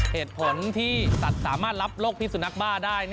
เหตุผลที่สัตว์สามารถรับโรคพิสุนักบ้าได้